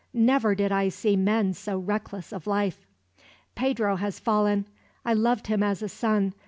Never did I see men so reckless of life. "Pedro has fallen. I loved him as a son.